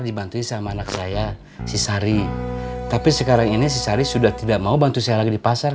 dibantu sama anak saya si sari tapi sekarang ini si sari sudah tidak mau bantu saya lagi di pasar